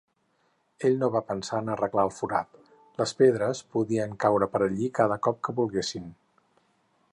Ell no va pensar en arreglar el forat; les pedres podien caure per allí cada cop que volguessin.